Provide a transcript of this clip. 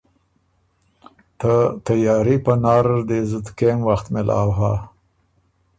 ته تیاري پناره ر دې زُت کېم وخت مېلاؤ هۀ۔